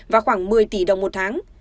và khoảng một mươi tỷ đồng một tháng